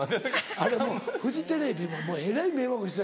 あれフジテレビもえらい迷惑してた。